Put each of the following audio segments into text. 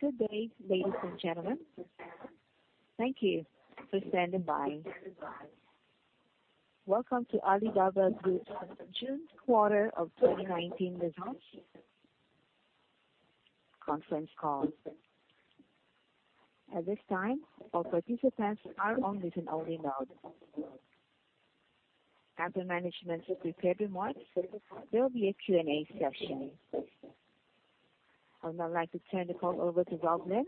Good day, ladies and gentlemen. Thank you for standing by. Welcome to Alibaba Group's June quarter of 2019 results conference call. At this time, all participants are on listen-only mode. After management's prepared remarks, there will be a Q&A session. I would now like to turn the call over to Rob Lin,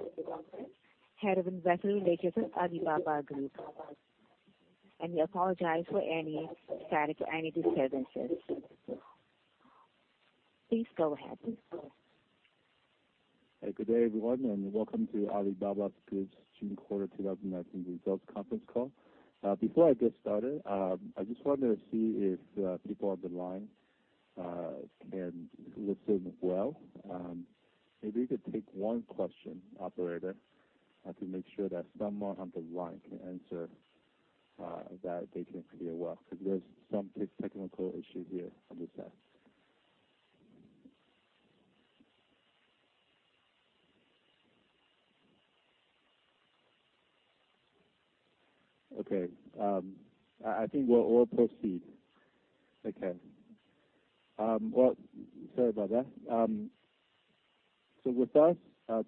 Head of Investor Relations at Alibaba Group, and we apologize for any static or any disturbances. Please go ahead. Good day, everyone, welcome to Alibaba Group's June quarter 2019 results conference call. Before I get started, I just wanted to see if people on the line can listen well. Maybe you could take one question, operator, to make sure that someone on the line can answer that they can hear well, because there's some technical issue here on this end. Okay. I think we'll proceed. Okay. Well, sorry about that. With us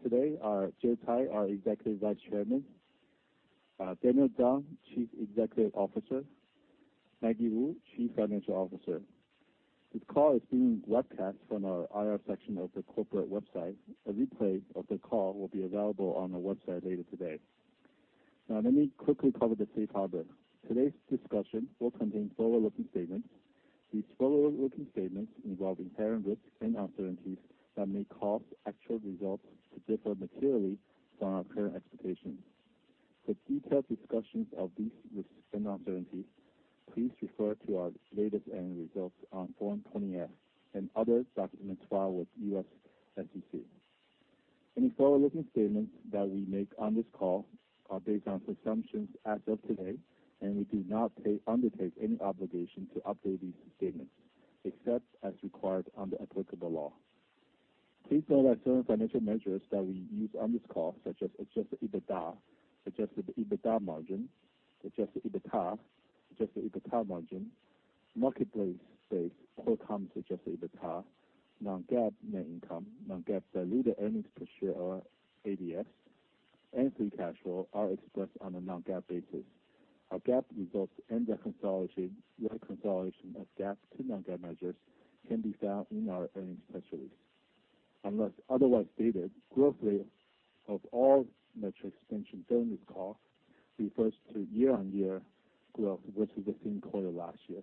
today are Joe Tsai, our Executive Vice Chairman; Daniel Zhang, Chief Executive Officer; Maggie Wu, Chief Financial Officer. This call is being webcast from our IR section of the corporate website. A replay of the call will be available on our website later today. Now let me quickly cover the safe harbor. Today's discussion will contain forward-looking statements. These forward-looking statements involve inherent risks and uncertainties that may cause actual results to differ materially from our current expectations. For detailed discussions of these risks and uncertainties, please refer to our latest earnings results on Form 20-F and other documents filed with the U.S. SEC. Any forward-looking statements that we make on this call are based on presumptions as of today, and we do not undertake any obligation to update these statements except as required under applicable law. Please note that certain financial measures that we use on this call, such as adjusted EBITDA, adjusted EBITDA margin, adjusted EBITA, adjusted EBITA margin, marketplace safe core commerce adjusted EBITA, non-GAAP net income, non-GAAP diluted earnings per share or ADS, and free cash flow are expressed on a non-GAAP basis. Our GAAP results and the reconciliation of GAAP to non-GAAP measures can be found in our earnings press release. Unless otherwise stated, growth rate of all metrics mentioned during this call refers to year-on-year growth versus the same quarter last year.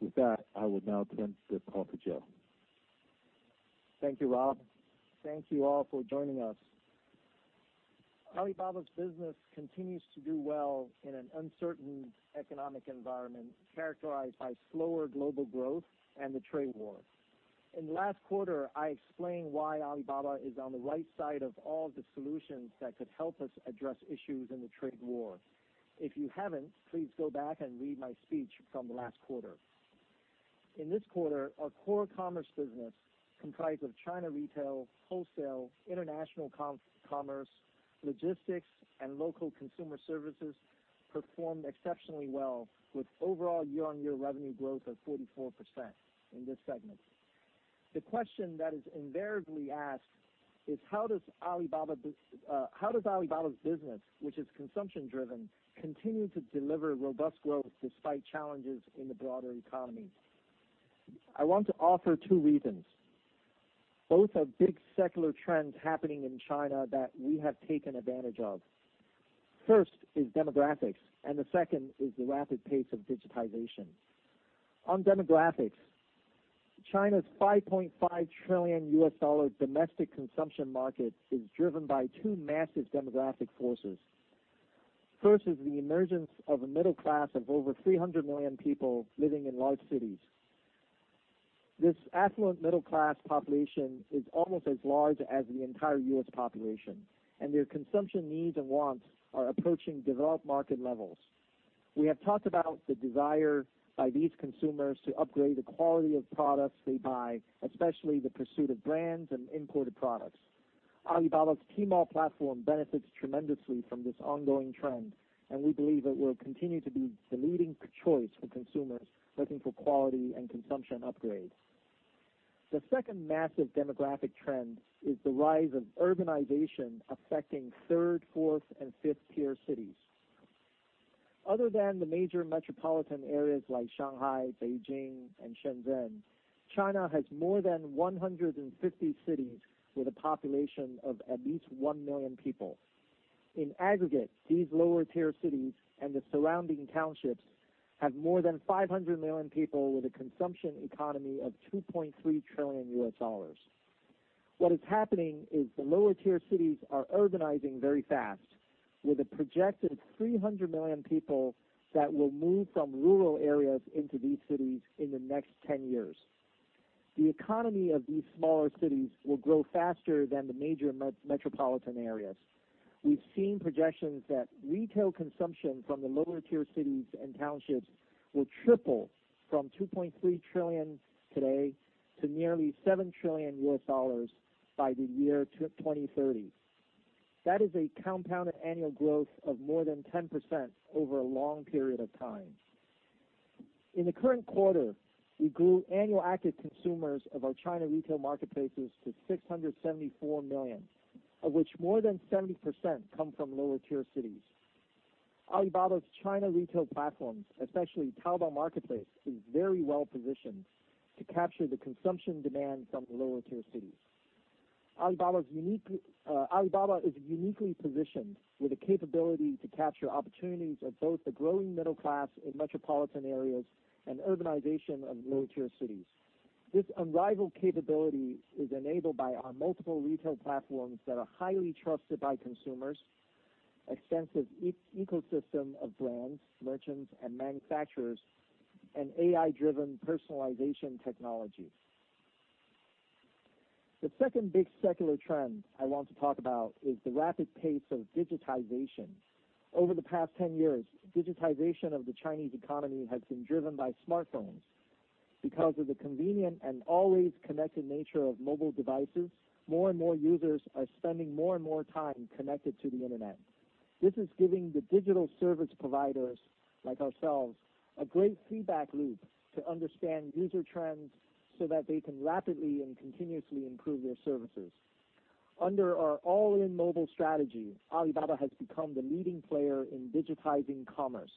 With that, I would now turn the call to Joe. Thank you, Rob. Thank you all for joining us. Alibaba's business continues to do well in an uncertain economic environment characterized by slower global growth and the trade war. In the last quarter, I explained why Alibaba is on the right side of all the solutions that could help us address issues in the trade war. If you haven't, please go back and read my speech from last quarter. In this quarter, our core commerce business comprised of China retail, wholesale, international commerce, logistics, and local consumer services performed exceptionally well with overall year-on-year revenue growth of 44% in this segment. The question that is invariably asked is how does Alibaba's business, which is consumption-driven, continue to deliver robust growth despite challenges in the broader economy? I want to offer two reasons. Both are big secular trends happening in China that we have taken advantage of. First is demographics. The second is the rapid pace of digitization. On demographics, China's $5.5 trillion domestic consumption market is driven by two massive demographic forces. First is the emergence of a middle class of over 300 million people living in large cities. This affluent middle-class population is almost as large as the entire U.S. population. Their consumption needs and wants are approaching developed market levels. We have talked about the desire by these consumers to upgrade the quality of products they buy, especially the pursuit of brands and imported products. Alibaba's Tmall platform benefits tremendously from this ongoing trend. We believe it will continue to be the leading choice for consumers looking for quality and consumption upgrades. The second massive demographic trend is the rise of urbanization affecting 3-tier, 4-tier, and 5-tier cities. Other than the major metropolitan areas like Shanghai, Beijing, and Shenzhen, China has more than 150 cities with a population of at least one million people. In aggregate, these lower-tier cities and the surrounding townships have more than 500 million people with a consumption economy of $2.3 trillion. What is happening is the lower-tier cities are urbanizing very fast with a projected 300 million people that will move from rural areas into these cities in the next 10 years. The economy of these smaller cities will grow faster than the major metropolitan areas. We've seen projections that retail consumption from the lower tier cities and townships will triple from $2.3 trillion today to nearly $7 trillion by the year 2030. That is a compounded annual growth of more than 10% over a long period of time. In the current quarter, we grew annual active consumers of our China retail marketplaces to 674 million, of which more than 70% come from lower tier cities. Alibaba's China retail platforms, especially Taobao Marketplace, is very well positioned to capture the consumption demand from lower tier cities. Alibaba is uniquely positioned with the capability to capture opportunities of both the growing middle class in metropolitan areas and urbanization of lower tier cities. This unrivaled capability is enabled by our multiple retail platforms that are highly trusted by consumers, extensive ecosystem of brands, merchants, and manufacturers, and AI-driven personalization technology. The second big secular trend I want to talk about is the rapid pace of digitization. Over the past 10 years, digitization of the Chinese economy has been driven by smartphones. Because of the convenient and always connected nature of mobile devices, more and more users are spending more and more time connected to the internet. This is giving the digital service providers, like ourselves, a great feedback loop to understand user trends so that they can rapidly and continuously improve their services. Under our all-in mobile strategy, Alibaba has become the leading player in digitizing commerce.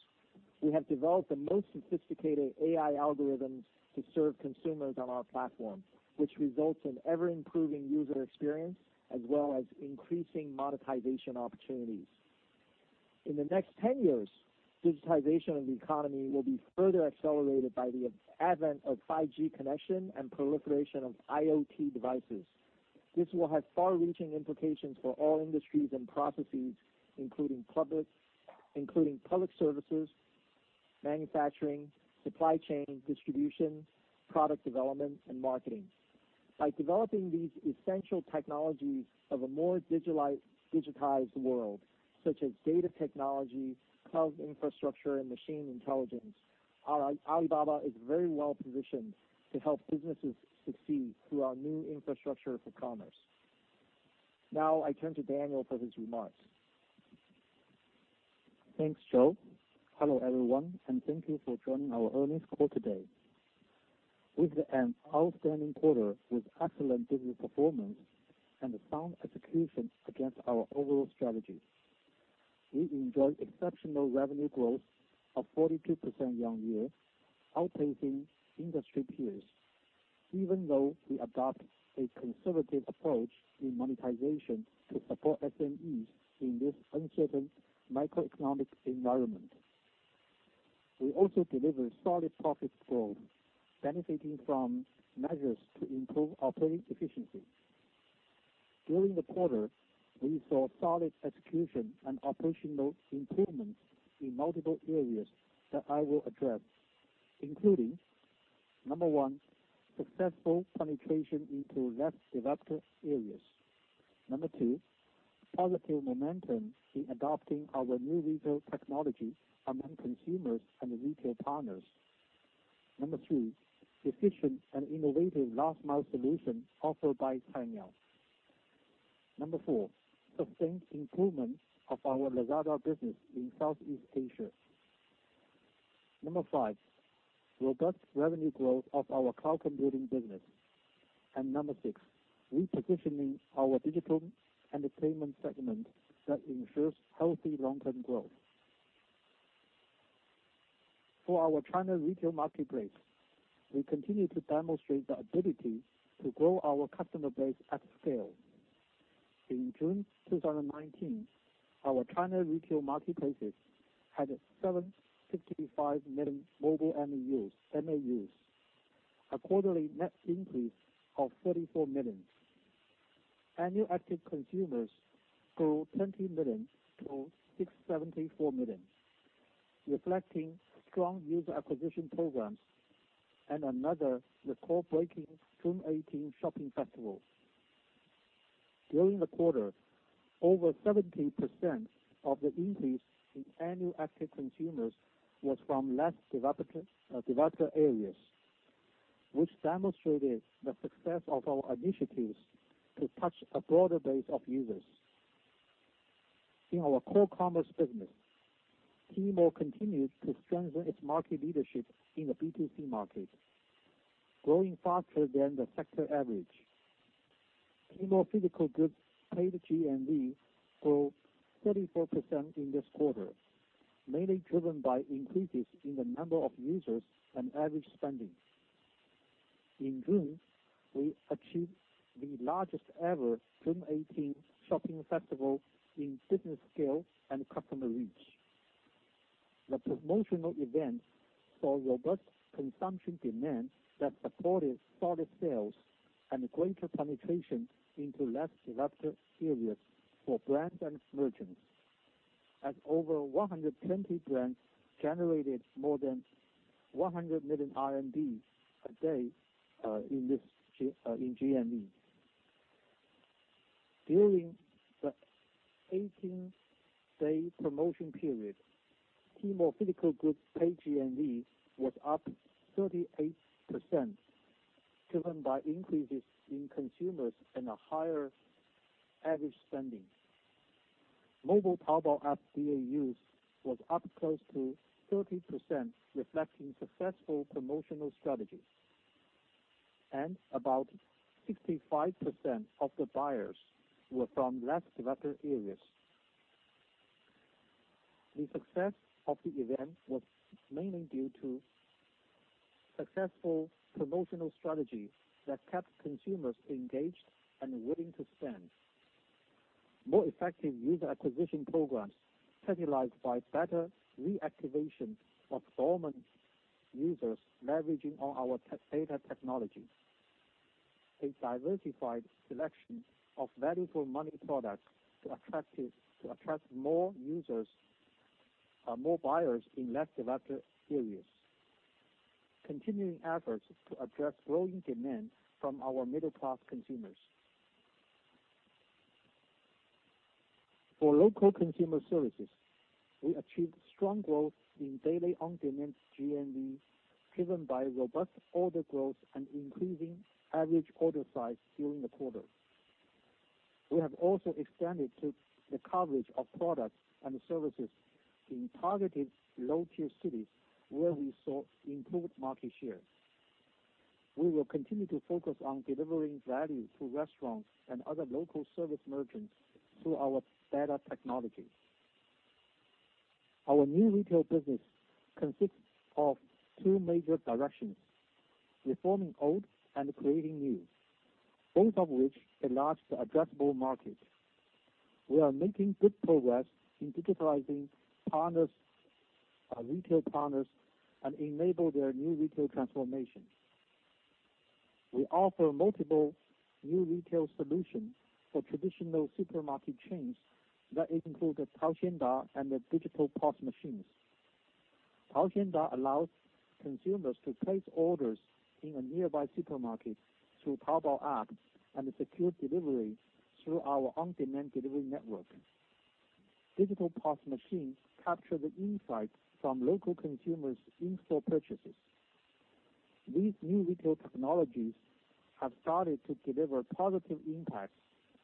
We have developed the most sophisticated AI algorithms to serve consumers on our platform, which results in ever improving user experience, as well as increasing monetization opportunities. In the next 10 years, digitization of the economy will be further accelerated by the advent of 5G connection and proliferation of IoT devices. This will have far-reaching implications for all industries and processes, including public services, manufacturing, supply chain distribution, product development, and marketing. By developing these essential technologies of a more digitized world, such as data technology, cloud infrastructure, and machine intelligence, Alibaba is very well positioned to help businesses succeed through our new infrastructure for commerce. I turn to Daniel for his remarks. Thanks, Joe. Hello, everyone. Thank you for joining our earnings call today. We've had an outstanding quarter with excellent business performance and sound execution against our overall strategy. We've enjoyed exceptional revenue growth of 42% year-on-year, outpacing industry peers, even though we adopt a conservative approach in monetization to support SMEs in this uncertain macroeconomic environment. We also deliver solid profit growth, benefiting from measures to improve operating efficiency. During the quarter, we saw solid execution and operational improvements in multiple areas that I will address, including, number 1, successful penetration into less developed areas. Number 2, positive momentum in adopting our New Retail technology among consumers and retail partners. Number 3, efficient and innovative last mile solution offered by Cainiao. Number 4, sustained improvement of our Lazada business in Southeast Asia. Number 5, robust revenue growth of our cloud computing business. 6. Repositioning our digital entertainment segment that ensures healthy long-term growth. For our China retail marketplace, we continue to demonstrate the ability to grow our customer base at scale. In June 2019, our China retail marketplaces had 765 million mobile MAUs, a quarterly net increase of 34 million. Annual active consumers grew 20 million to 674 million, reflecting strong user acquisition programs and another record-breaking June 18 Shopping Festival. During the quarter, over 70% of the increase in annual active consumers was from less developed areas, which demonstrated the success of our initiatives to touch a broader base of users. In our core commerce business, Tmall continued to strengthen its market leadership in the B2C market, growing faster than the sector average. Tmall physical goods paid GMV grew 34% in this quarter, mainly driven by increases in the number of users and average spending. In June, we achieved the largest ever 618 Shopping Festival in business scale and customer reach. The promotional event saw robust consumption demand that supported solid sales and greater penetration into less developed areas for brands and merchants. As over 120 brands generated more than 100 million RMB a day in GMV. During the 18-day promotion period, Tmall physical goods paid GMV was up 38%, driven by increases in consumers and a higher average spending. Mobile Taobao app DAUs was up close to 30%, reflecting successful promotional strategies. About 65% of the buyers were from less developed areas. The success of the event was mainly due to successful promotional strategies that kept consumers engaged and willing to spend. More effective user acquisition programs, catalyzed by better reactivation of dormant users, leveraging on our data technology. A diversified selection of value-for-money products to attract more buyers in less developed areas. Continuing efforts to address growing demand from our middle-class consumers. For local consumer services, we achieved strong growth in daily on-demand GMV, driven by robust order growth and increasing average order size during the quarter. We have also expanded the coverage of products and services in targeted low-tier cities, where we saw improved market share. We will continue to focus on delivering value to restaurants and other local service merchants through our data technology. Our new retail business consists of two major directions, reforming old and creating new, both of which enlarge the addressable market. We are making good progress in digitalizing retail partners and enable their new retail transformation. We offer multiple new retail solutions for traditional supermarket chains that include the Taoxianda and the digital POS machines. Taoxianda allows consumers to place orders in a nearby supermarket through Taobao app and secure delivery through our on-demand delivery network. Digital POS machines capture the insight from local consumers' in-store purchases. These new retail technologies have started to deliver positive impacts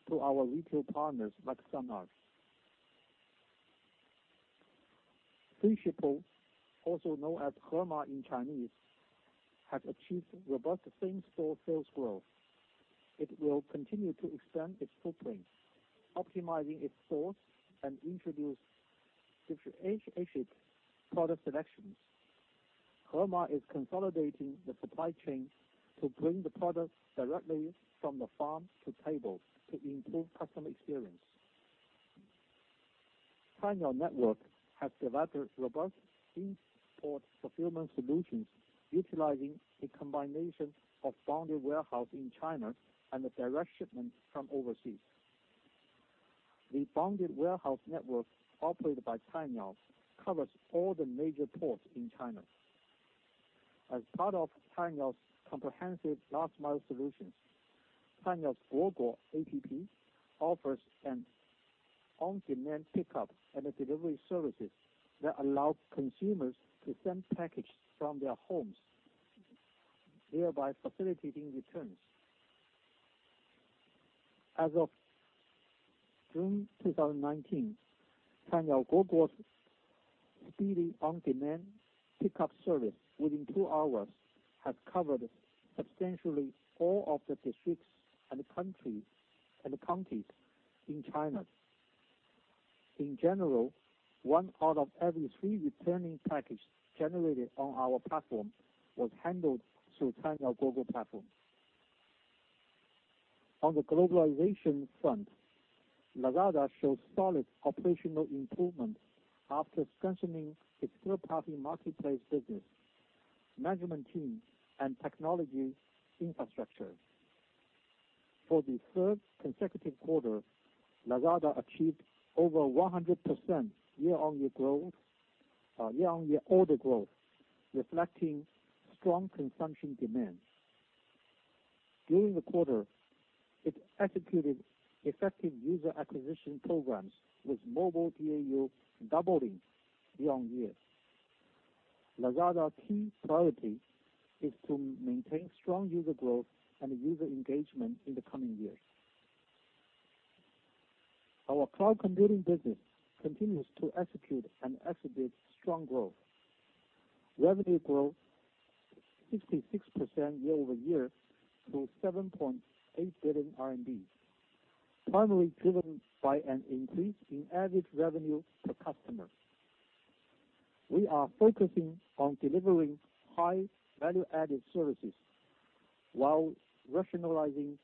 to our retail partners like Sun Art. Freshippo, also known as Hema in Chinese, has achieved robust same-store sales growth. It will continue to expand its footprint, optimizing its stores, and introduce differentiated product selections. Hema is consolidating the supply chain to bring the product directly from the farm to table to improve customer experience. Cainiao network has developed robust import fulfillment solutions utilizing a combination of bonded warehouse in China and the direct shipment from overseas. The bonded warehouse network operated by Cainiao covers all the major ports in China. As part of Cainiao's comprehensive last-mile solutions, Cainiao's Cainiao Guoguo offers an on-demand pickup and delivery services that allow consumers to send packages from their homes, thereby facilitating returns. As of June 2019, Cainiao Guoguo's speedy on-demand pickup service within two hours has covered substantially all of the districts and counties in China. In general, one out of every three returning package generated on our platform was handled through Cainiao Guoguo platform. On the globalization front, Lazada shows solid operational improvement after strengthening its third-party marketplace business, management team, and technology infrastructure. For the third consecutive quarter, Lazada achieved over 100% year-on-year order growth, reflecting strong consumption demand. During the quarter, it executed effective user acquisition programs with mobile DAU doubling year-on-year. Lazada key priority is to maintain strong user growth and user engagement in the coming years. Our cloud computing business continues to execute and exhibit strong growth. Revenue growth 66% year-over-year to 7.8 billion RMB, primarily driven by an increase in average revenue per customer. We are focusing on delivering high value-added services while rationalizing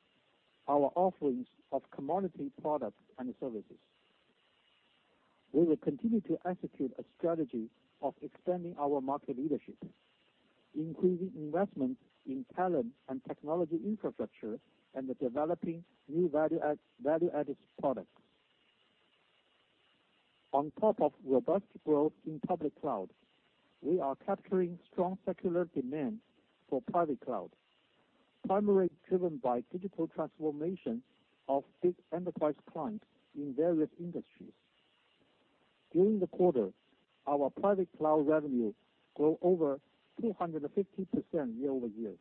our offerings of commodity products and services. We will continue to execute a strategy of expanding our market leadership, increasing investment in talent and technology infrastructure and developing new value-added products. On top of robust growth in public cloud, we are capturing strong secular demand for private cloud, primarily driven by digital transformation of big enterprise clients in various industries. During the quarter, our private cloud revenue grew over 250% year-over-year.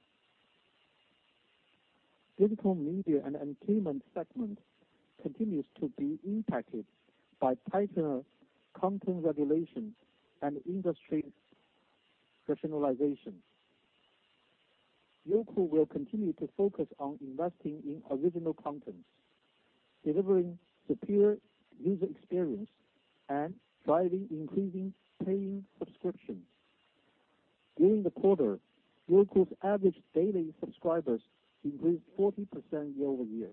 Digital Media and Entertainment segment continues to be impacted by tighter content regulations and industry professionalization. Youku will continue to focus on investing in original content, delivering superior user experience, and driving increasing paying subscriptions. During the quarter, Youku's average daily subscribers increased 40% year-over-year.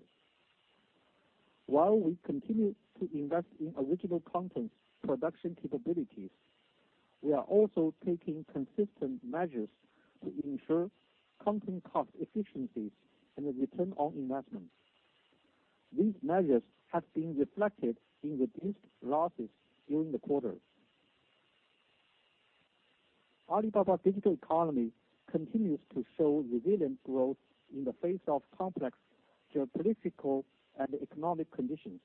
While we continue to invest in original content production capabilities, we are also taking consistent measures to ensure content cost efficiencies and a return on investment. These measures have been reflected in reduced losses during the quarter. Alibaba Digital Economy continues to show resilient growth in the face of complex geopolitical and economic conditions.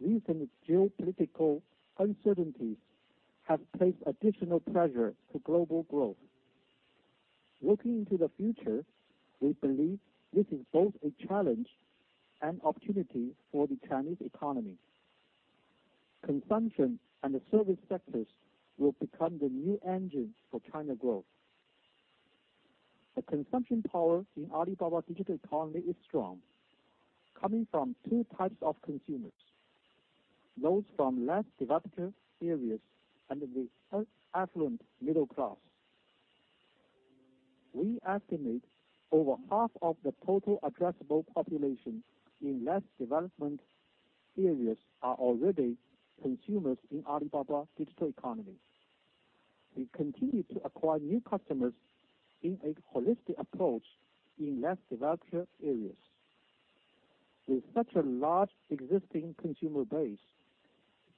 Recent geopolitical uncertainties have placed additional pressure to global growth. Looking into the future, we believe this is both a challenge and opportunity for the Chinese economy. Consumption and the service sectors will become the new engine for China growth. The consumption power in Alibaba Digital Economy is strong, coming from 2 types of consumers, those from less developed areas and the affluent middle class. We estimate over half of the total addressable population in less developed areas are already consumers in Alibaba Digital Economy. We continue to acquire new customers in a holistic approach in less developed areas. With such a large existing consumer base,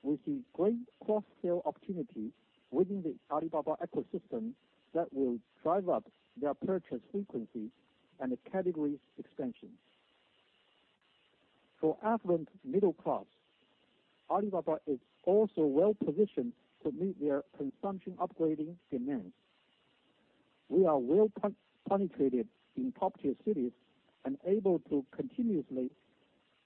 we see great cross-sell opportunity within the Alibaba ecosystem that will drive up their purchase frequency and category expansion. For affluent middle class, Alibaba is also well-positioned to meet their consumption upgrading demands. We are well penetrated in top-tier cities and able to continuously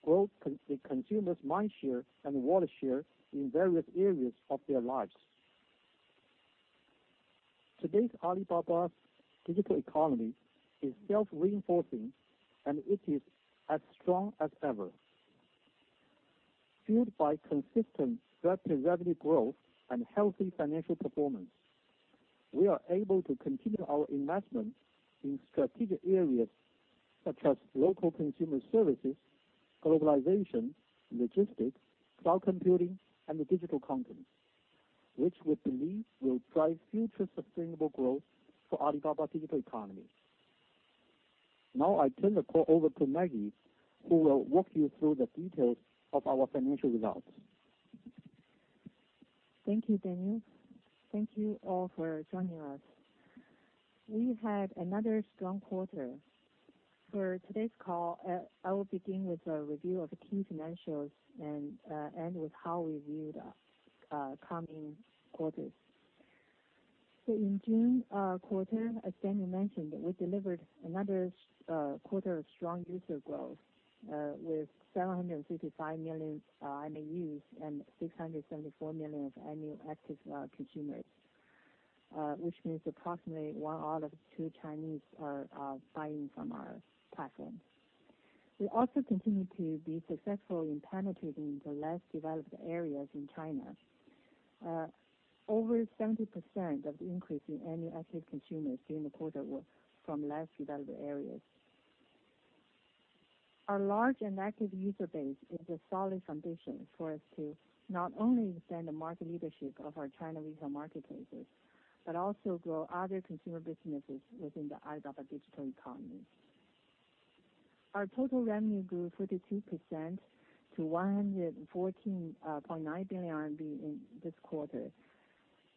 grow the consumer's mind share and wallet share in various areas of their lives. Today the Alibaba Digital Economy is self-reinforcing, and it is as strong as ever. Fueled by consistent revenue growth and healthy financial performance, we are able to continue our investment in strategic areas such as local consumer services, globalization, logistics, cloud computing, and digital content, which we believe will drive future sustainable growth for Alibaba Digital Economy. Now I turn the call over to Maggie, who will walk you through the details of our financial results. Thank you, Daniel. Thank you all for joining us. We've had another strong quarter. For today's call, I will begin with a review of the key financials and end with how we view the coming quarters. In June quarter, as Daniel mentioned, we delivered another quarter of strong user growth with 755 million MAUs and 674 million of annual active consumers, which means approximately one out of two Chinese are buying from our platform. We also continue to be successful in penetrating the less developed areas in China. Over 70% of the increase in annual active consumers during the quarter were from less developed areas. Our large and active user base is a solid foundation for us to not only extend the market leadership of our China retail marketplaces but also grow other consumer businesses within the Alibaba Digital Economy. Our total revenue grew 42% to 114.9 billion RMB in this quarter.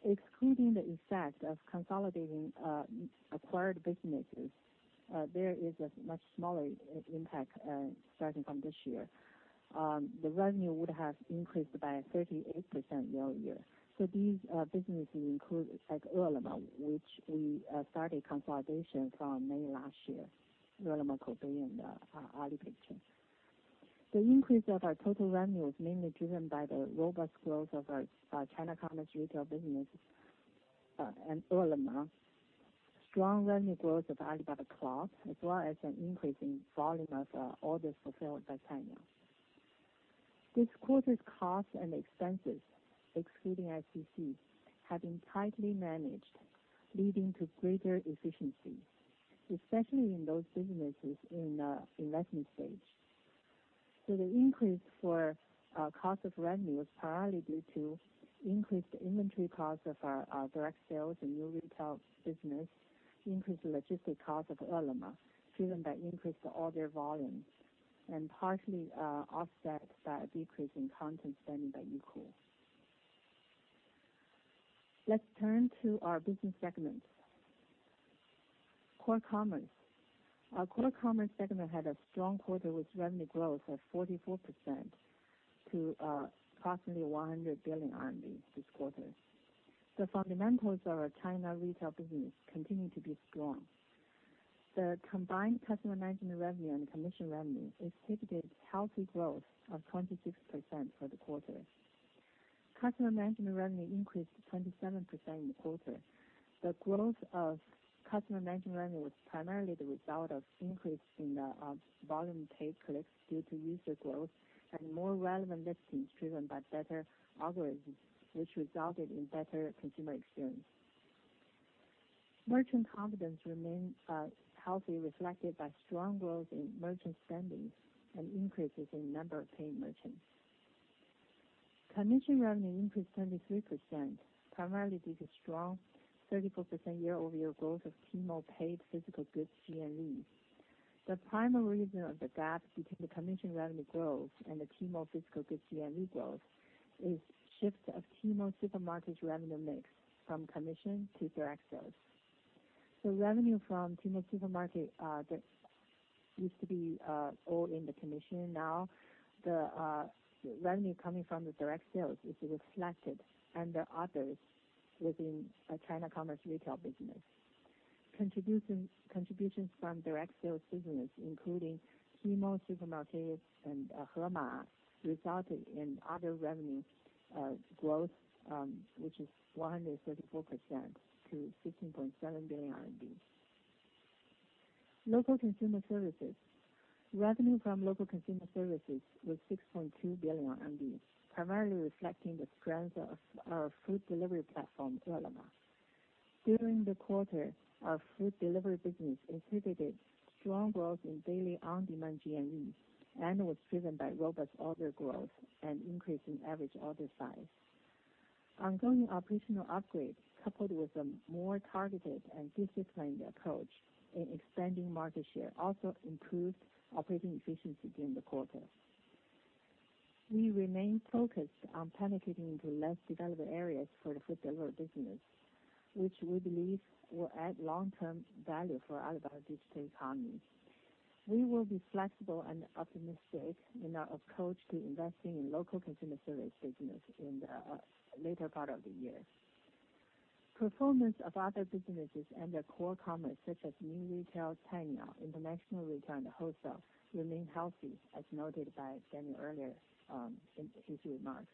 Excluding the effect of consolidating acquired businesses, there is a much smaller impact starting from this year. The revenue would have increased by 38% year-over-year. These businesses include Ele.me, which we started consolidation from May last year. Ele.me could be in the Alibaba chain. The increase of our total revenue is mainly driven by the robust growth of our China commerce retail business and Ele.me, strong revenue growth of Alibaba Cloud, as well as an increase in volume of orders fulfilled by Cainiao. This quarter's costs and expenses, excluding SEC, have been tightly managed, leading to greater efficiency, especially in those businesses in investment stage. The increase for cost of revenue is primarily due to increased inventory costs of our direct sales and new retail business, increased logistic cost of Ele.me, driven by increased order volumes, and partially offset by a decrease in content spending by Youku. Let's turn to our business segments. Core Commerce. Our Core Commerce segment had a strong quarter with revenue growth of 44% to approximately 100 billion RMB this quarter. The fundamentals of our China retail business continue to be strong. The combined customer management revenue and commission revenue exhibited healthy growth of 26% for the quarter. Customer management revenue increased 27% in the quarter. The growth of customer management revenue was primarily the result of increase in the volume paid clicks due to user growth and more relevant listings driven by better algorithms, which resulted in better consumer experience. Merchant confidence remains healthy, reflected by strong growth in merchant spendings and increases in number of paying merchants. Commission revenue increased 23%, primarily due to strong 34% year-over-year growth of Tmall paid physical goods GMV. The primary reason of the gap between the commission revenue growth and the Tmall physical goods GMV growth is shifts of Tmall Supermarket's revenue mix from commission to direct sales. Revenue from Tmall Supermarket, that used to be all in the commission, now the revenue coming from the direct sales is reflected under others within our China Commerce Retail Business. Contributions from direct sales business, including Tmall Supermarkets and Hema, resulted in other revenue growth, which is 134% to 16.7 billion RMB. Local consumer services. Revenue from local consumer services was 6.2 billion, primarily reflecting the strength of our food delivery platform, Ele.me. During the quarter, our food delivery business exhibited strong growth in daily on-demand GMV, and was driven by robust order growth and increase in average order size. Ongoing operational upgrades, coupled with a more targeted and disciplined approach in expanding market share, also improved operating efficiency during the quarter. We remain focused on penetrating into less developed areas for the food delivery business, which we believe will add long-term value for Alibaba's digital economy. We will be flexible and optimistic in our approach to investing in local consumer service business in the later part of the year. Performance of other businesses under core commerce, such as New Retail, Taobao, international retail, and wholesale, remain healthy, as noted by Daniel earlier in his remarks.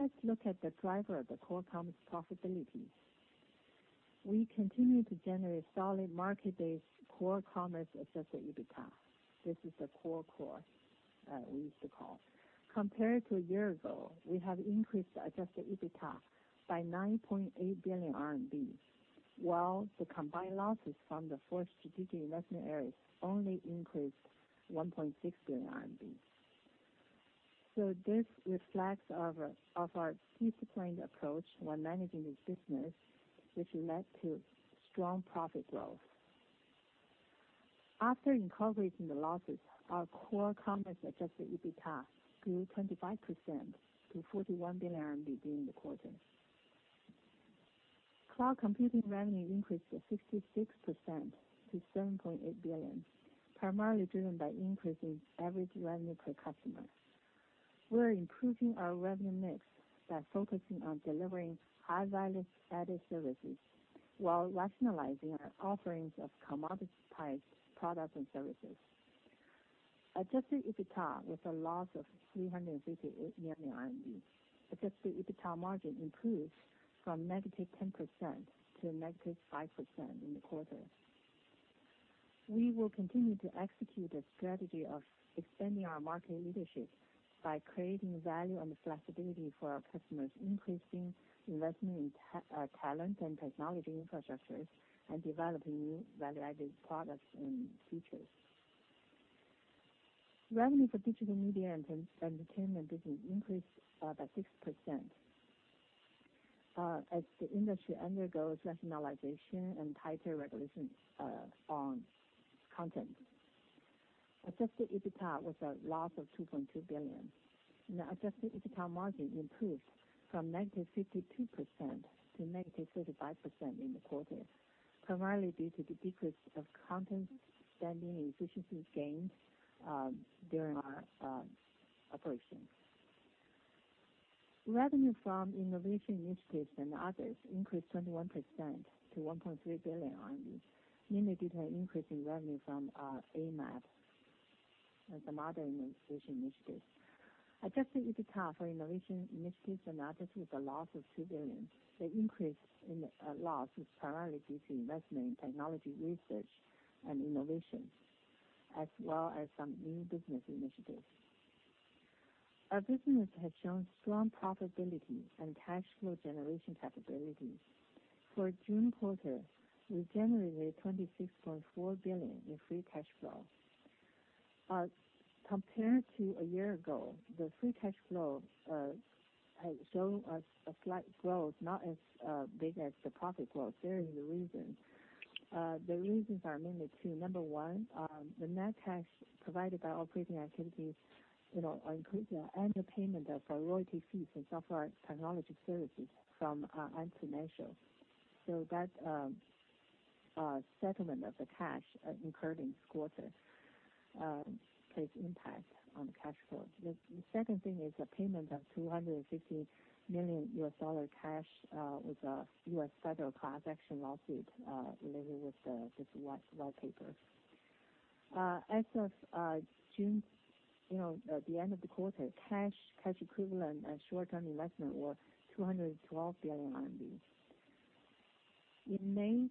Let's look at the driver of the core commerce profitability. We continue to generate solid market-based core commerce adjusted EBITDA. This is the core core that we used to call. Compared to a year ago, we have increased adjusted EBITDA by 9.8 billion RMB, while the combined losses from the four strategic investment areas only increased 1.6 billion RMB. This reflects of our disciplined approach when managing this business, which led to strong profit growth. After incorporating the losses, our core commerce adjusted EBITDA grew 25% to 41 billion RMB during the quarter. Cloud computing revenue increased 66% to 7.8 billion CNY, primarily driven by increase in average revenue per customer. We're improving our revenue mix by focusing on delivering high value-added services while rationalizing our offerings of commodity-type products and services. Adjusted EBITDA was a loss of 358 million RMB. Adjusted EBITDA margin improved from negative 10% to negative 5% in the quarter. We will continue to execute a strategy of expanding our market leadership by creating value and flexibility for our customers, increasing investment in talent and technology infrastructures, and developing new value-added products and features. Revenue for digital media and entertainment business increased by 6% as the industry undergoes rationalization and tighter regulations on content. Adjusted EBITDA was a loss of 2.2 billion, and the adjusted EBITDA margin improved from negative 52% to negative 35% in the quarter, primarily due to the decrease of content spending and efficiency gains during our operations. Revenue from innovation initiatives and others increased 21% to 1.3 billion RMB, mainly due to an increase in revenue from our Amap and some other innovation initiatives. Adjusted EBITDA for innovation initiatives and others was a loss of 2 billion. The increase in loss is primarily due to investment in technology research and innovation, as well as some new business initiatives. Our business has shown strong profitability and cash flow generation capabilities. For June quarter, we generated 26.4 billion in free cash flow. Compared to a year ago, the free cash flow has shown a slight growth, not as big as the profit growth. There is a reason. The reasons are mainly two. Number one, the net cash provided by operating activities increased underpayment of royalty fees and software technology services from Ant Financial. That settlement of the cash incurred in this quarter plays impact on cash flow. The second thing is the payment of CNY 250 million cash with a U.S. federal class action lawsuit related with the white paper. As of June, the end of the quarter, cash equivalent and short-term investment were 212 billion RMB. In May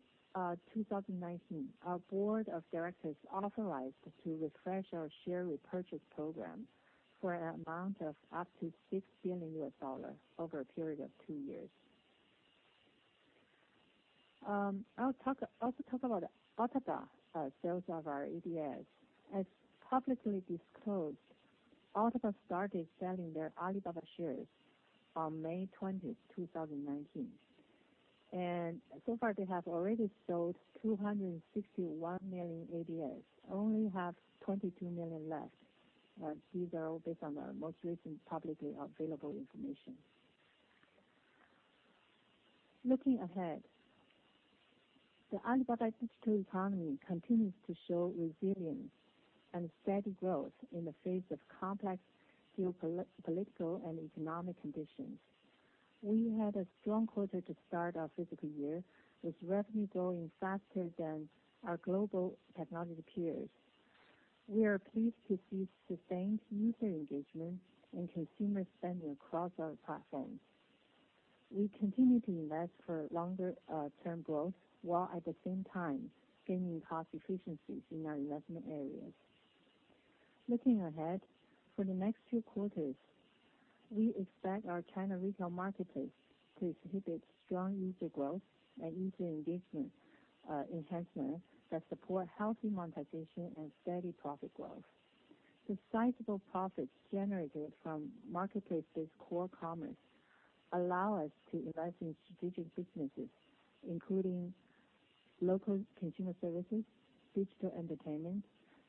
2019, our board of directors authorized to refresh our share repurchase program for an amount of up to CNY 6 billion over a period of two years. I'll also talk about Altaba sales of our ADS. As publicly disclosed, Altaba started selling their Alibaba shares on May 20, 2019. So far, they have already sold 261 million ADS, only have 22 million left. These are all based on the most recent publicly available information. Looking ahead, the Alibaba Digital Economy continues to show resilience and steady growth in the face of complex geopolitical and economic conditions. We had a strong quarter to start our fiscal year, with revenue growing faster than our global technology peers. We are pleased to see sustained user engagement and consumer spending across our platforms. We continue to invest for longer-term growth, while at the same time gaining cost efficiencies in our investment areas. Looking ahead, for the next two quarters, we expect our China retail marketplace to exhibit strong user growth and user engagement enhancement that support healthy monetization and steady profit growth. Substantial profits generated from marketplace-based core commerce allow us to invest in strategic businesses, including local consumer services, digital entertainment,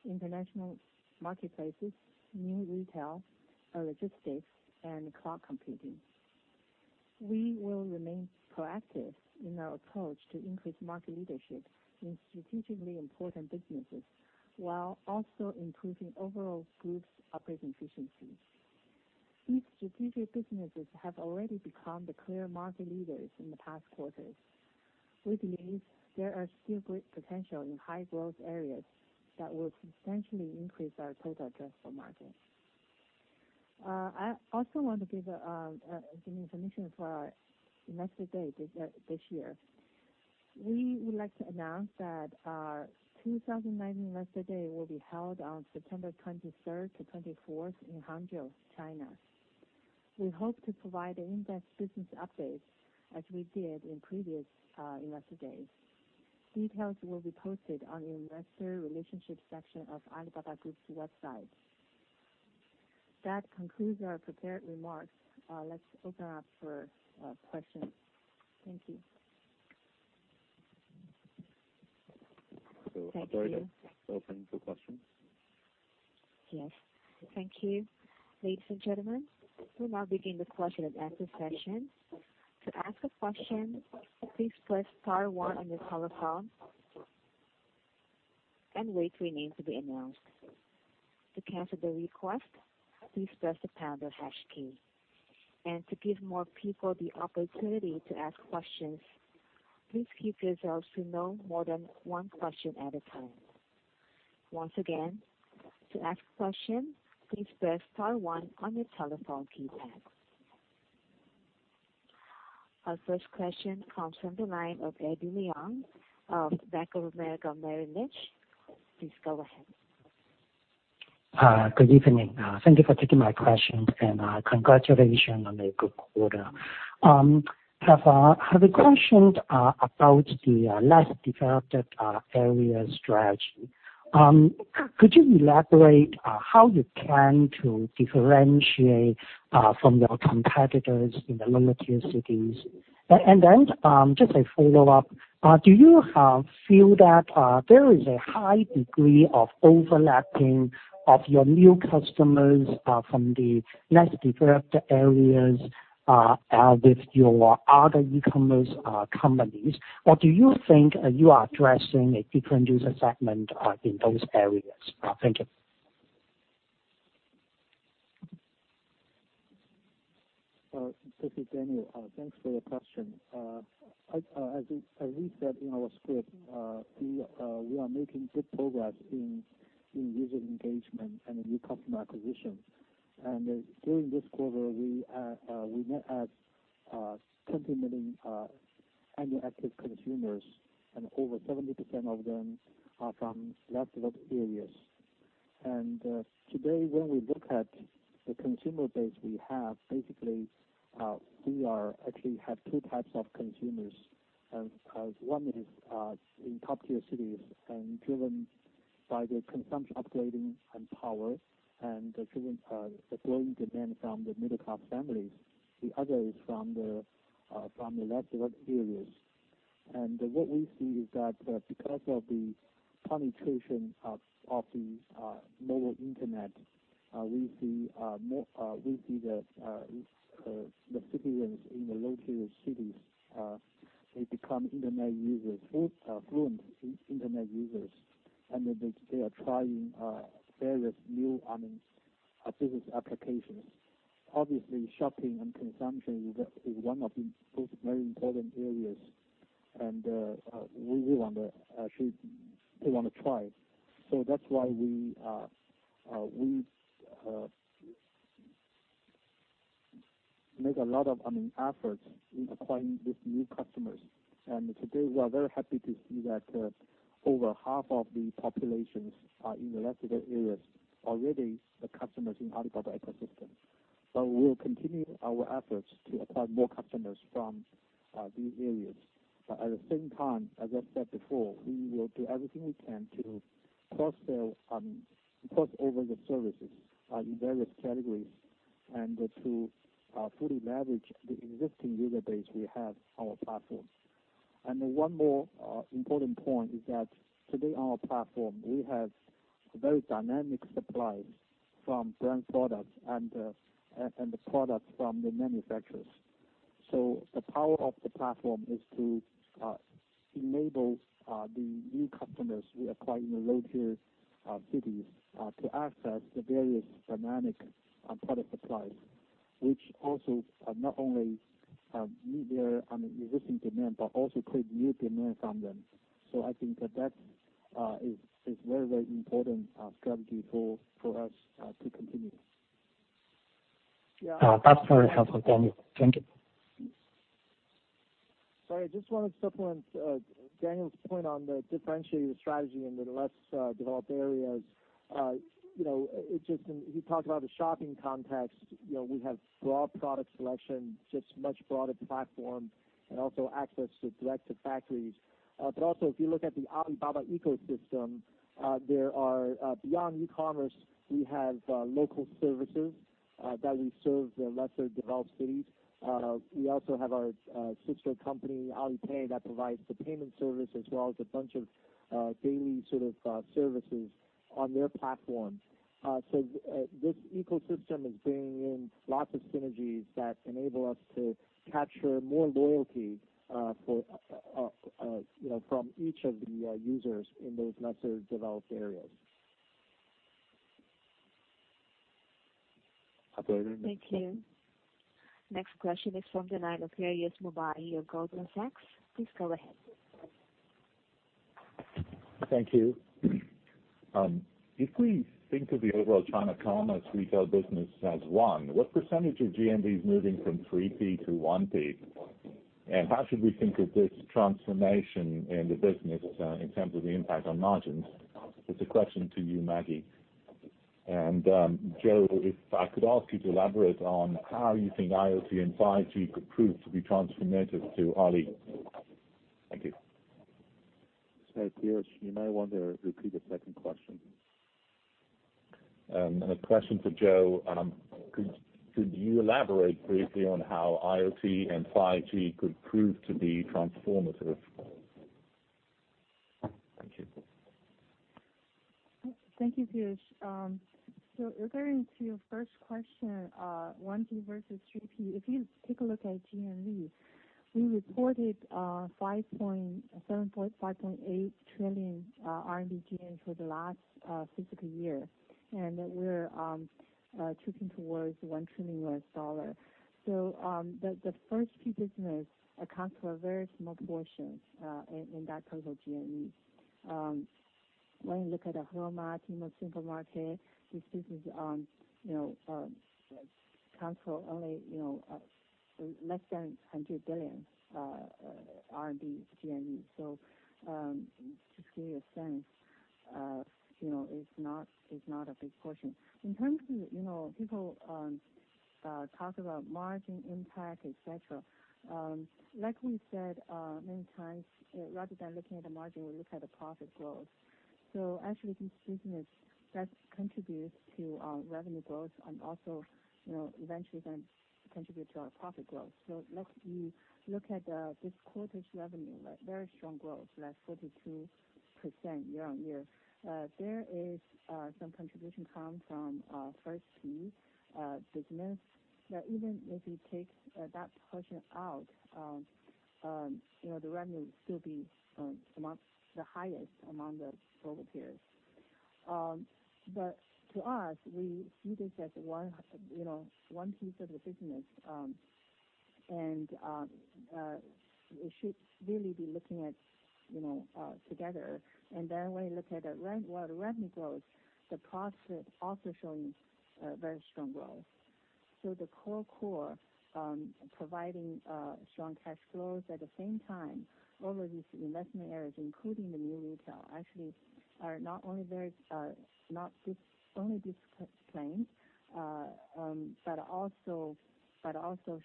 international marketplaces, new retail, logistics, and cloud computing. We will remain proactive in our approach to increase market leadership in strategically important businesses, while also improving overall group's operating efficiency. These strategic businesses have already become the clear market leaders in the past quarters. We believe there are still great potential in high-growth areas that will substantially increase our total addressable market. I also want to give information for our Investor Day this year. We would like to announce that our 2019 Investor Day will be held on September 23rd to 24th in Hangzhou, China. We hope to provide in-depth business updates as we did in previous Investor Days. Details will be posted on the investor relationship section of Alibaba Group's website. That concludes our prepared remarks. Let's open up for questions. Thank you. Thank you, operator. Open to questions. Yes. Thank you. Ladies and gentlemen, we'll now begin the question and answer session. To ask a question, please press star one on your telephone and wait for your name to be announced. To cancel the request, please press the pound or hash key. To give more people the opportunity to ask questions, please keep yourselves to no more than one question at a time. Once again, to ask a question, please press star one on your telephone keypad. Our first question comes from the line of Eddie Leung of Bank of America Merrill Lynch. Please go ahead. Good evening. Thank you for taking my question, and congratulations on a good quarter. I have a question about the less developed area strategy. Could you elaborate how you plan to differentiate from your competitors in the lower tier cities? Just a follow-up, do you feel that there is a high degree of overlapping of your new customers from the less developed areas with your other e-commerce companies? Do you think you are addressing a different user segment in those areas? Thank you. This is Daniel. Thanks for your question. As we said in our script, we are making good progress in user engagement and in new customer acquisition. During this quarter, we net add 20 million Annual active consumers, over 70% of them are from less developed areas. Today, when we look at the consumer base we have, basically, we actually have two types of consumers. One is in top-tier cities and driven by the consumption upgrading and power, and driven by the growing demand from the middle-class families. The other is from the less developed areas. What we see is that because of the penetration of the mobile internet, we see the citizens in the low-tier cities become internet users, fluent internet users. They are trying various new business applications. Obviously, shopping and consumption is one of the most important areas, and they want to try. That's why we make a lot of efforts in acquiring these new customers. Today, we are very happy to see that over half of the populations are in the less developed areas, already the customers in Alibaba ecosystem. We'll continue our efforts to acquire more customers from these areas. At the same time, as I said before, we will do everything we can to cross-sell and cross over the services in various categories and to fully leverage the existing user base we have on our platform. One more important point is that today on our platform, we have very dynamic supplies from brand products and the products from the manufacturers. The power of the platform is to enable the new customers we acquire in the low-tier cities to access the various dynamic product supplies, which also not only meet their existing demand but also create new demand from them. I think that is a very important strategy for us to continue. Yeah. That's all I have for Daniel. Thank you. Sorry, I just wanted to supplement Daniel's point on differentiating the strategy in the less developed areas. He talked about the shopping context. We have broad product selection, just much broader platform, and also access to direct factories. If you look at the Alibaba ecosystem, beyond e-commerce, we have local services that we serve the lesser-developed cities. We also have our sister company, Alipay, that provides the payment service as well as a bunch of daily services on their platform. This ecosystem is bringing in lots of synergies that enable us to capture more loyalty from each of the users in those lesser-developed areas. Operator? Thank you. Next question is from the line of Piyush Mubayi of Goldman Sachs. Please go ahead. Thank you. If we think of the overall China commerce retail business as one, what percentage of GMV is moving from 3P to 1P? How should we think of this transformation in the business in terms of the impact on margins? It's a question to you, Maggie. Joe, if I could ask you to elaborate on how you think IoT and 5G could prove to be transformative to Ali. Thank you. Sorry, Piyush, you might want to repeat the second question. The question for Joe, could you elaborate briefly on how IoT and 5G could prove to be transformative? Thank you. Thank you, Piers. Regarding to your first question, 1P versus 3P. If you take a look at GMV, we reported 5.8 trillion GMV for the last fiscal year. We're trending towards CNY 1 trillion. The first few business accounts were a very small portion in that total GMV. When you look at a Hema supermarket, these businesses account for only less than CNY 100 billion GMV. Just to give you a sense, it's not a big portion. In terms of people talking about margin impact, et cetera, like we said many times, rather than looking at the margin, we look at the profit growth. Actually, this business does contribute to our revenue growth and also eventually going to contribute to our profit growth. Let's look at this quarter's revenue, very strong growth, like 42% year-on-year. There is some contribution coming from our first few business. Even if you take that portion out, the revenue will still be the highest among the global peers. To us, we see this as one piece of the business, and we should really be looking at it together. When you look at the revenue growth, the profit also showing very strong growth. The core providing strong cash flows. At the same time, all of these investment areas, including the New Retail, actually are not only disciplined, but also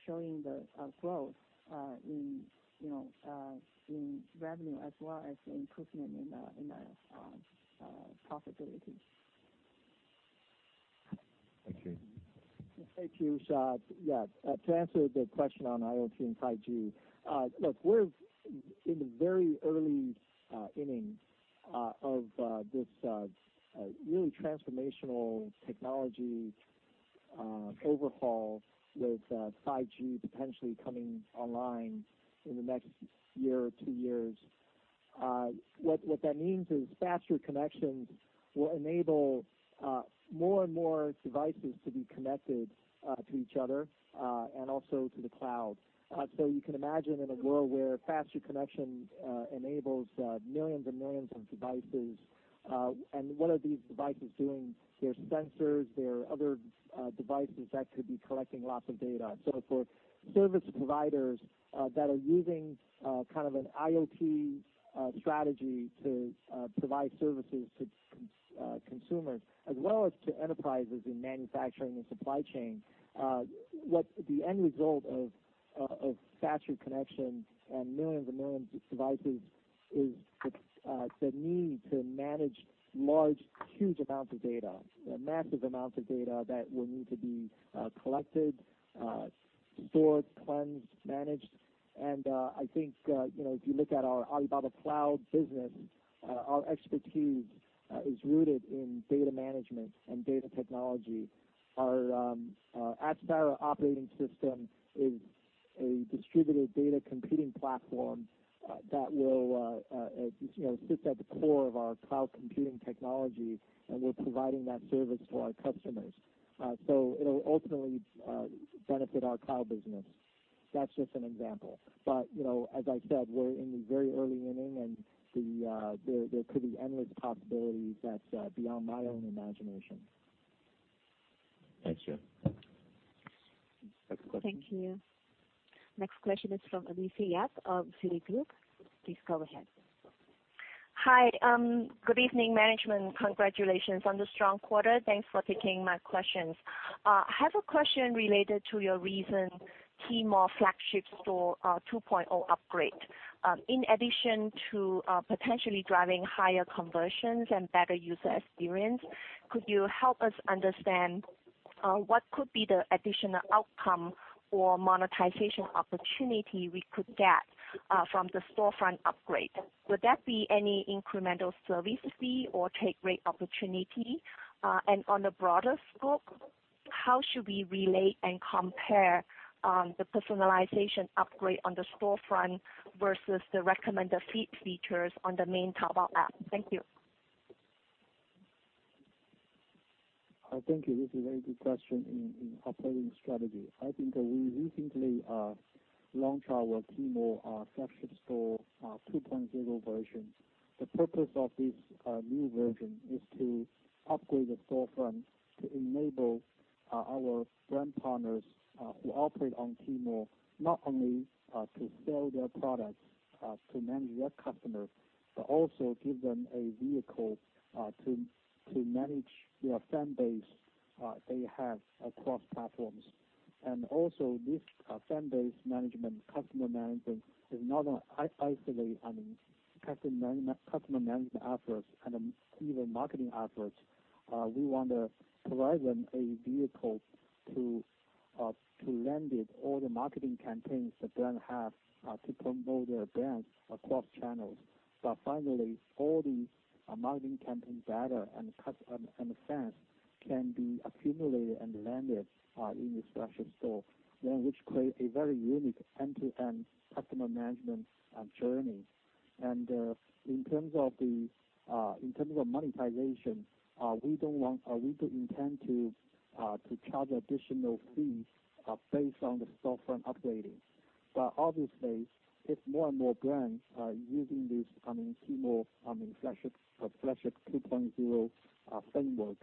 showing the growth in revenue as well as improvement in the profitability. Thank you. Thank you, Shao. To answer the question on IoT and 5G. Look, we're in the very early innings of this really transformational technology overhaul with 5G potentially coming online in the next year or two years. What that means is faster connections will enable more and more devices to be connected to each other and also to the cloud. You can imagine in a world where faster connection enables millions and millions of devices. What are these devices doing? There are sensors, there are other devices that could be collecting lots of data. For service providers that are using kind of an IoT strategy to provide services to consumers as well as to enterprises in manufacturing and supply chain, what the end result of faster connection and millions and millions of devices is the need to manage large, huge amounts of data, massive amounts of data that will need to be collected, stored, cleansed, managed. I think if you look at our Alibaba Cloud business, our expertise is rooted in data management and data technology. Our Apsara operating system is a distributed data computing platform that will sit at the core of our cloud computing technology, and we're providing that service to our customers. It'll ultimately benefit our cloud business. That's just an example. As I said, we're in the very early inning and there could be endless possibilities that's beyond my own imagination. Thanks, Joe. Next question. Thank you. Next question is from Alicia Yap of Citigroup. Please go ahead. Hi. Good evening, management. Congratulations on the strong quarter. Thanks for taking my questions. I have a question related to your recent Tmall Flagship Store 2.0 upgrade. In addition to potentially driving higher conversions and better user experience, could you help us understand what could be the additional outcome or monetization opportunity we could get from the storefront upgrade? Would that be any incremental service fee or take rate opportunity? On a broader scope, how should we relate and compare the personalization upgrade on the storefront versus the recommended feed features on the main Taobao app? Thank you. Thank you. This is a very good question in operating strategy. I think we recently launched our Tmall Flagship Store 2.0 version. The purpose of this new version is to upgrade the storefront to enable our brand partners who operate on Tmall not only to sell their products, to manage their customers, but also give them a vehicle to manage their fan base they have across platforms. Also this fan base management, customer management is not isolated. I mean, customer management efforts and even marketing efforts. We want to provide them a vehicle to land it all the marketing campaigns the brand have to promote their brands across channels. Finally, all these marketing campaign data and the fans can be accumulated and landed in this Flagship Store. Which create a very unique end-to-end customer management journey. In terms of monetization, we don't intend to charge additional fees based on the storefront upgrading. Obviously, if more and more brands are using this Tmall Flagship Store 2.0 framework,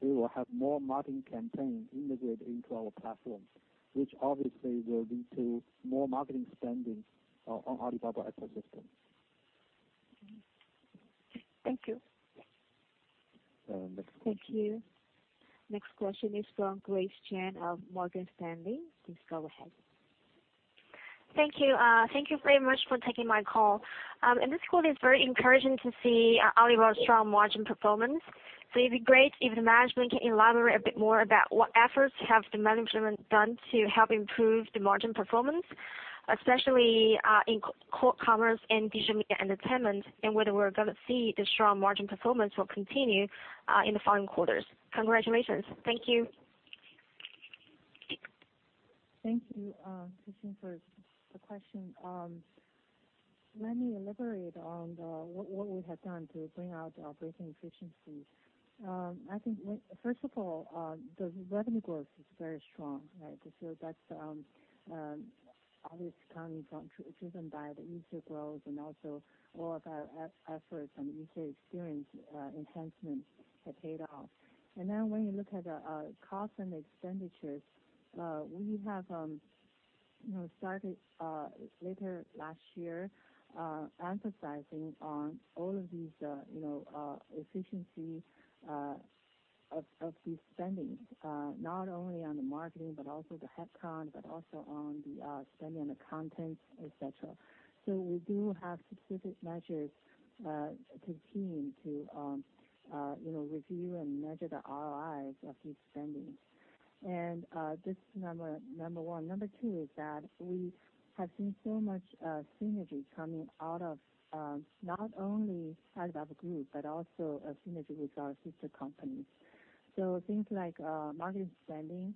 we will have more marketing campaign integrated into our platforms, which obviously will lead to more marketing spending on Alibaba ecosystem. Thank you. Next question. Thank you. Next question is from Grace Chen of Morgan Stanley. Please go ahead. Thank you. Thank you very much for taking my call. In this call, it is very encouraging to see Alibaba's strong margin performance. It'd be great if the management can elaborate a bit more about what efforts have the management done to help improve the margin performance, especially in Core Commerce and Digital Media Entertainment, and whether we're going to see the strong margin performance will continue in the following quarters. Congratulations. Thank you. Thank you, Grace, for the question. Let me elaborate on what we have done to bring out the operating efficiency. I think, first of all, the revenue growth is very strong, right? That's obviously driven by the user growth and also all of our efforts on user experience enhancements have paid off. When you look at the costs and expenditures, we have started later last year, emphasizing on all of these efficiency of these spendings, not only on the marketing but also the headcount, but also on the spending on the content, et cetera. We do have specific measures continuing to review and measure the ROIs of these spendings. This is number one. Number two is that we have seen so much synergy coming out of not only Alibaba Group, but also a synergy with our sister companies. Things like marketing spending,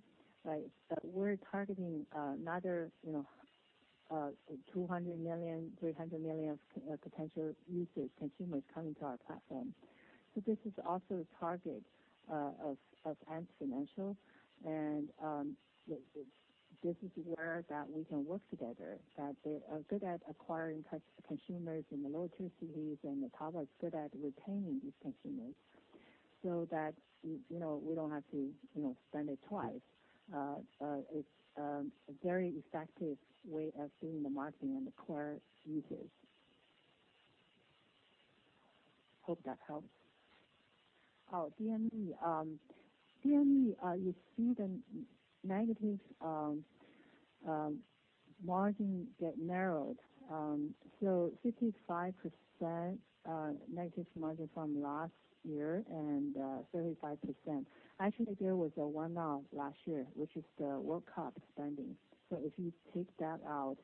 we're targeting another 200 million, 300 million of potential users, consumers coming to our platform. This is also the target of Ant Financial, and this is where that we can work together, that they are good at acquiring such consumers in the lower tier cities, and the public's good at retaining these consumers so that we don't have to spend it twice. It's a very effective way of doing the marketing and acquire users. Hope that helps. DME. You see the negative margin get narrowed. 55% negative margin from last year and 35%. Actually, there was a one-off last year, which is the World Cup spending. If you take that out,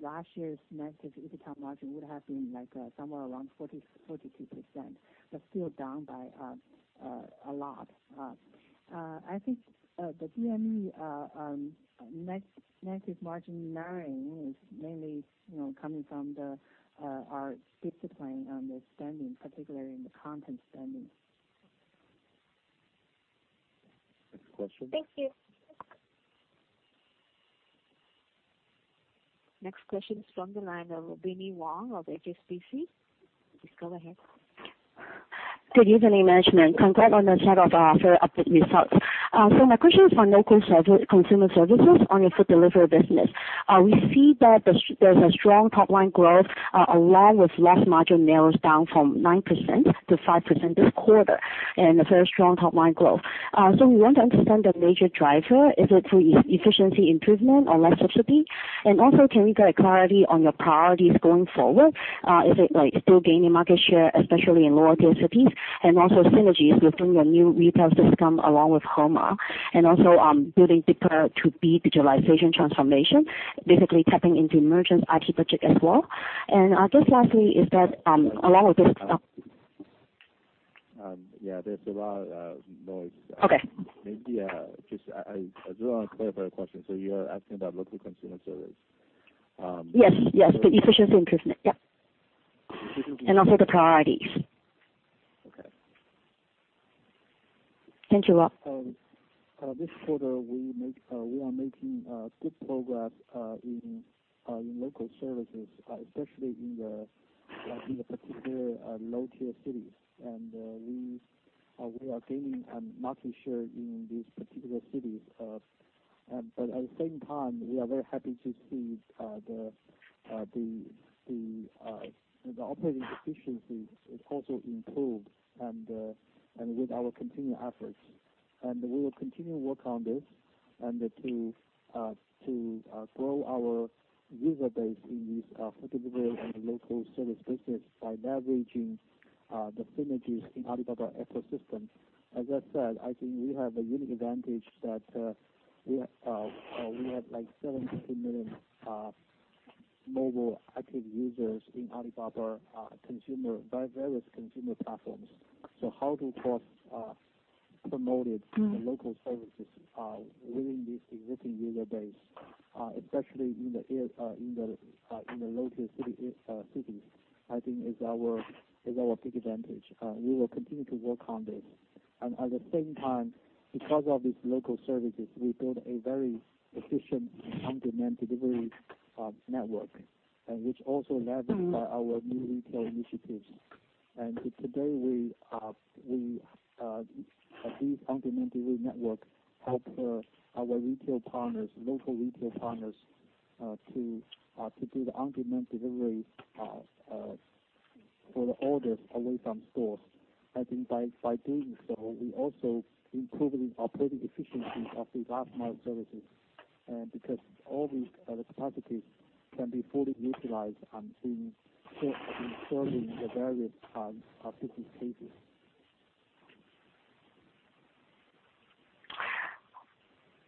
last year's negative EBITDA margin would have been somewhere around 42%, but still down by a lot. I think the DME negative margin narrowing is mainly coming from our discipline on the spending, particularly in the content spending. Next question. Thank you. Next question is from the line of Binnie Wong of HSBC. Please go ahead. Good evening, management. Congrats on the set of further update results. My question is for local consumer services on your food delivery business. We see that there's a strong top line growth along with less margin narrows down from 9% to 5% this quarter and a very strong top line growth. We want to understand the major driver. Is it through efficiency improvement or less subsidy? Also, can we get clarity on your priorities going forward? Is it still gaining market share, especially in lower tier cities, and also synergies between the new retail system along with Hema, and also building deeper to be digitalization transformation, basically tapping into merchants IT budget as well? Yeah, there's a lot of noise. Okay. Maybe just I do want to clarify your question. You're asking about local consumer service? Yes. The efficiency improvement. Yep. Efficiency improvement. Also the priorities. Okay. Thank you. This quarter, we are making good progress in local services, especially in the particular low-tier cities. We are gaining market share in these particular cities. At the same time, we are very happy to see the operating efficiency is also improved and with our continued efforts. We will continue work on this and to grow our user base in this food delivery and local service business by leveraging the synergies in Alibaba ecosystem. As I said, I think we have a unique advantage that we have like 750 million mobile active users in Alibaba various consumer platforms. How to cross-promote it, the local services within this existing user base especially in the low-tier cities, I think is our big advantage. We will continue to work on this. At the same time, because of this local services, we build a very efficient on-demand delivery network, and which also leveraged by our New Retail initiatives. Today, this on-demand delivery network helps our retail partners, local retail partners, to do the on-demand delivery for the orders away from stores. I think by doing so, we also improving operating efficiency of these last mile services. All these capacities can be fully utilized in serving the various city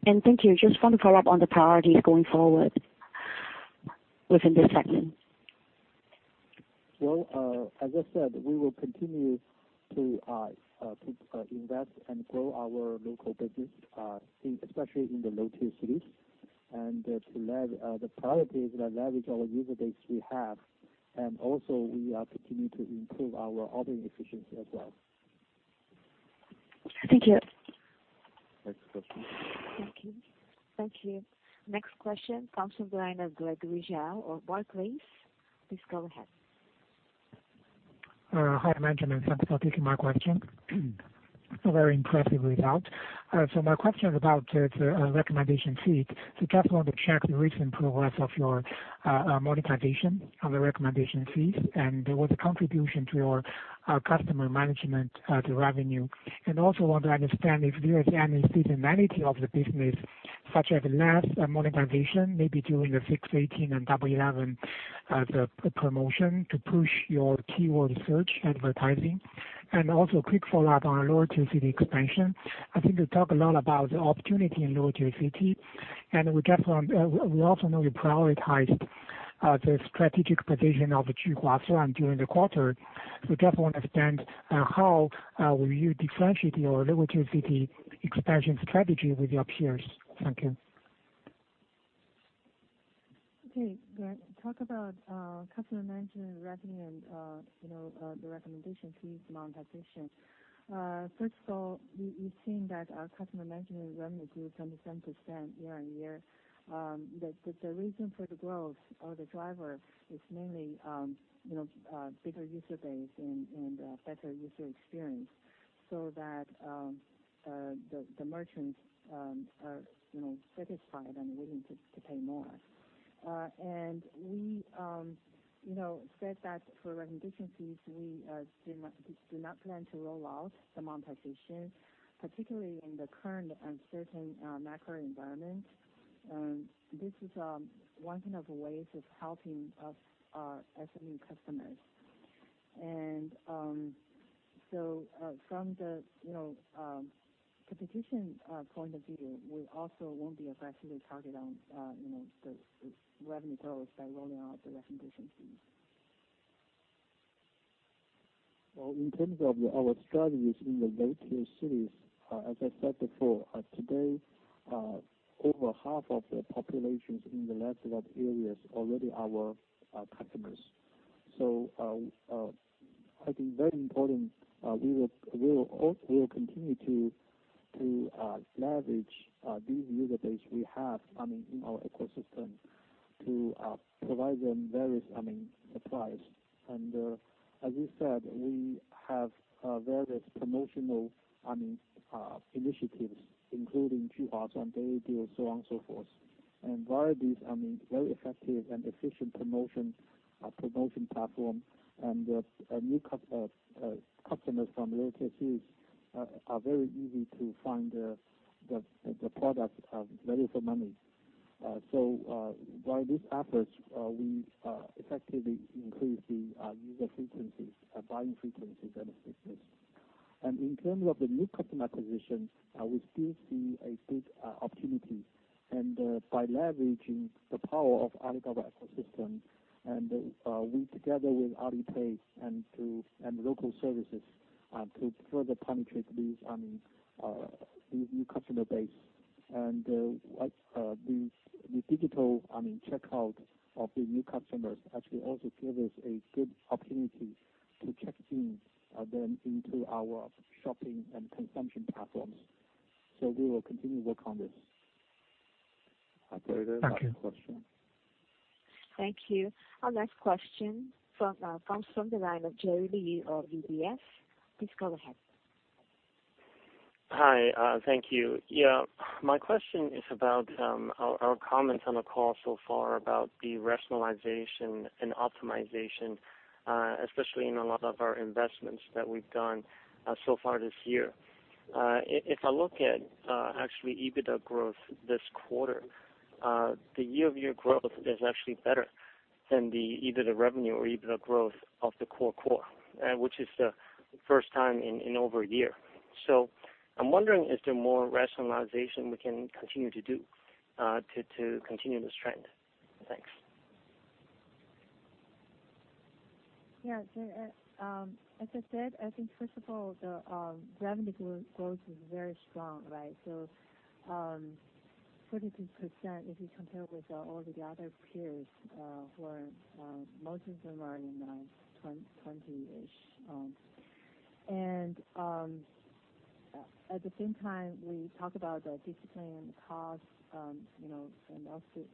stages. Thank you. Just want to follow up on the priorities going forward within this segment. Well, as I said, we will continue to invest and grow our local business especially in the low-tier cities and the priorities that leverage our user base we have. Also we are continuing to improve our operating efficiency as well. Thank you. Next question. Thank you. Next question comes from the line of Gregory Zhao of Barclays. Please go ahead. Hi, management. Thanks for taking my question. A very impressive result. My question is about the recommendation fees. Just wanted to check the recent progress of your monetization of the recommendation fees, and what the contribution to your customer management, the revenue. Also want to understand if there is any seasonality of the business, such as last monetization, maybe during the 618 and Double 11, the promotion to push your keyword search advertising, and also quick follow-up on lower tier city expansion. I think you talk a lot about the opportunity in lower tier city, we also know you prioritized the strategic position of the Juhuasuan during the quarter. We just want to understand how will you differentiate your lower tier city expansion strategy with your peers? Thank you. Okay, Greg. Talk about customer management revenue and the recommendation fees monetization. First of all, we've seen that our customer management revenue grew 27% year on year. The reason for the growth or the driver is mainly bigger user base and better user experience, so that the merchants are satisfied and willing to pay more. We said that for recommendation fees, we do not plan to roll out the monetization, particularly in the current uncertain macro environment. This is one of the ways of helping us acquire new customers. From the competition point of view, we also won't be aggressively targeted on the revenue growth by rolling out the recommendation fees. Well, in terms of our strategies in the lower tier cities, as I said before, today, over half of the populations in the less developed areas already our customers. I think very important, we will continue to leverage this user base we have in our ecosystem to provide them various supplies. As we said, we have various promotional initiatives, including Juhuasuan and Daily Deals, so on and so forth. Via these very effective and efficient promotion platform and new customers from lower tier cities are very easy to find the products value for money. Via these efforts, we effectively increase the user frequencies, buying frequencies and the business. In terms of the new customer acquisition, we still see a good opportunity, and by leveraging the power of Alibaba ecosystem, and we together with Alipay and local services, to further penetrate these new customer base. The digital checkout of the new customers actually also give us a good opportunity to check-in them into our shopping and consumption platforms. We will continue to work on this. Operator, next question. Thank you. Thank you. Our next question comes from the line of Jerry Liu of UBS. Please go ahead. Hi. Thank you. Yeah. My question is about our comments on the call so far about the rationalization and optimization, especially in a lot of our investments that we've done so far this year. If I look at actually EBITDA growth this quarter, the year-over-year growth is actually better than the EBITDA revenue or EBITDA growth of the core core, which is the first time in over a year. I'm wondering, is there more rationalization we can continue to do to continue this trend? Thanks. Yeah. As I said, I think first of all, the revenue growth is very strong, right? 42%, if you compare with all the other peers, where most of them are in 20-ish. At the same time, we talk about the discipline cost and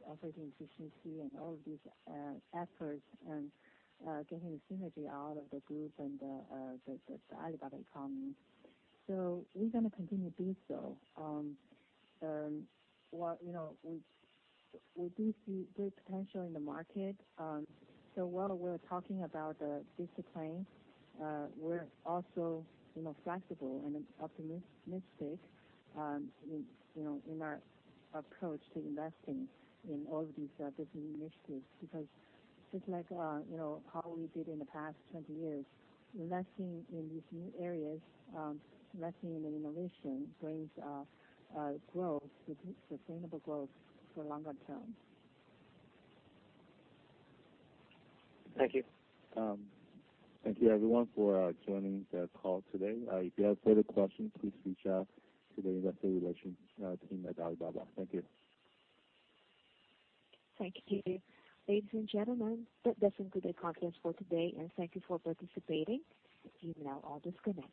operating efficiency and all of these efforts and getting the synergy out of the group and the Alibaba Digital Economy. We're going to continue to do so. We do see great potential in the market. While we're talking about the discipline, we're also flexible and optimistic in our approach to investing in all of these different initiatives. Just like how we did in the past 20 years, investing in these new areas, investing in innovation brings sustainable growth for longer term. Thank you. Thank you everyone for joining the call today. If you have further questions, please reach out to the investor relations team at Alibaba. Thank you. Thank you. Ladies and gentlemen, that concludes the conference for today, and thank you for participating. You may now all disconnect.